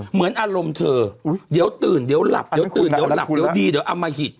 เหมือนอารมณ์เธอเดี๋ยวตื่นเดี๋ยวหลับเดี๋ยวตื่นเดี๋ยวหลับเดี๋ยวดีเดี๋ยวอมหิต